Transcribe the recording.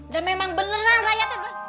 dan memang beneran raya